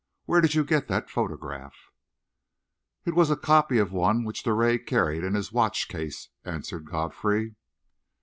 Where did you get that photograph?" "It was a copy of one which Drouet carried in his watch case," answered Godfrey.